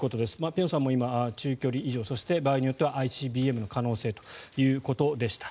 辺さんも今、中距離以上そして場合によってはＩＣＢＭの可能性ということでした。